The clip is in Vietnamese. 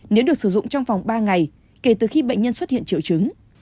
nếu được sử dụng trong vòng ba ngày kể từ khi bệnh nhân xuất hiện triệu chứng